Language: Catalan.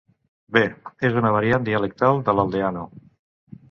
Bé, és una variant dialectal de l'aldeano.